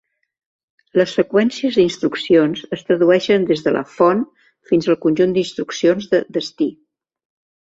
Les seqüències d'instruccions es tradueixen des de la "font" fins al conjunt d'instruccions de "destí".